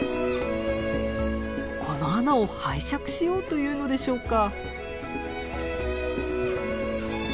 この穴を拝借しようというのでしょうか。